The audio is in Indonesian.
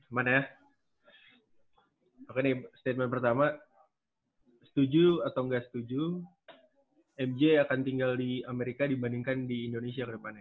aman ya oke ini statement pertama setuju atau ga setuju mj akan tinggal di amerika dibandingkan di indonesia ke depannya